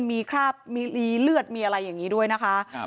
มีคราบมีรีเลือดมีอะไรอย่างนี้ด้วยนะคะ